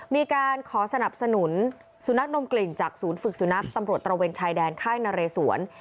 มีการขอสนับสนุนสุนัขนมกลิ่นจากศูนย์ฝึกสุนัขตำรวจตระเวนชายแดนค่ายนเรสวน